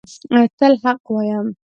تل حق وایه